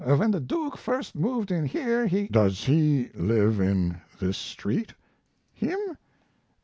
When the Duke first moved in here he " "Does he live in this street?" "Him!